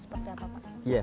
seperti apa pak